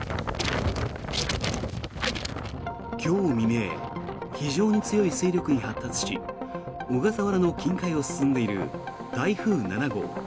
今日未明非常に強い勢力に発達し小笠原の近海を進んでいる台風７号。